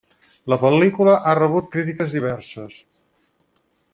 La pel·lícula ha rebut crítiques diverses.